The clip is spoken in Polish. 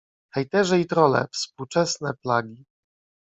Hejterzy i trolle - współczesne plagi.